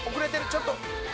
ちょっと」